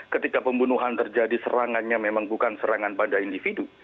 ketika pembunuhan terjadi serangannya memang bukan serangan pada individu